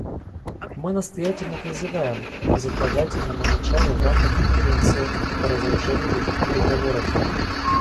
Мы настоятельно призываем к безотлагательному началу в рамках Конференции по разоружению таких переговоров.